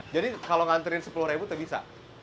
jadi kalau ngantriin rp sepuluh tuh bisa